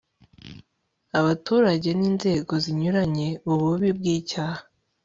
abaturage n'inzego zinyuranye ububi bw'icyaha